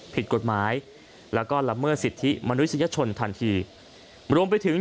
ผิดกฎหมายแล้วก็ละเมิดสิทธิมนุษยชนทันทีรวมไปถึง